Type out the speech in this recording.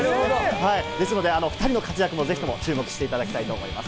ですので、２人の活躍、ぜひとも注目していただきたいと思います。